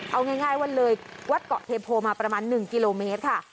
เอาง่ายว่าเลยวัดเกาะเทโพมาประมาณ๑กิโลเมตรค่ะ